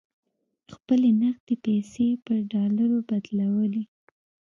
خپلې نغدې پیسې یې پر ډالرو بدلولې.